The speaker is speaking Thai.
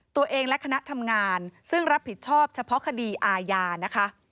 ตัวเองและคณะทำงานซึ่งรับผิดชอบเฉพาะคดีอาญานะคะ